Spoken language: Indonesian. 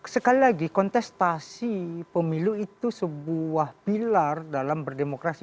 sekali lagi kontestasi pemilu itu sebuah pilar dalam berdemokrasi